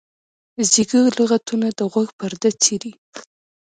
زیږه لغتونه د غوږ پرده څیري.